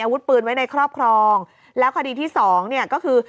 อาวุธปืนไว้ในครอบครองแล้วคดีที่สองเนี่ยก็คือ